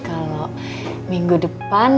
kalo minggu depan